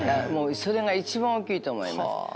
それが一番大きいと思います。